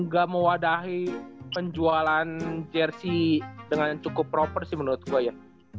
gak mewadahi penjualan jersi dengan cukup proper sih menurut gua ya